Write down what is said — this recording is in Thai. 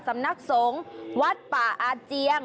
สำนักสงฆ์วัดป่าอาเจียง